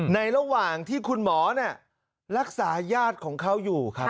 ระหว่างที่คุณหมอรักษาญาติของเขาอยู่ครับ